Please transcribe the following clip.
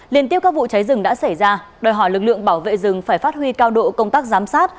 liên tiếp các vụ cháy rừng đã xảy ra đòi hỏi lực lượng bảo vệ rừng phải phát huy cao độ công tác giám sát